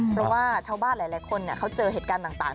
เพราะว่าชาวบ้านหลายคนเขาเจอเหตุการณ์ต่าง